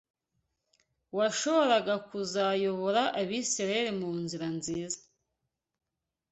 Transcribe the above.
washoboraga kuzayobora Abisirayeli mu nzira nziza